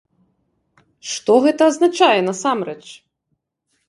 Што гэта азначае насамрэч?